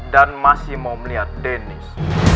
dan masih mau melihat deniz